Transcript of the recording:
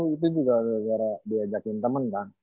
itu juga gara gara diajakin temen kan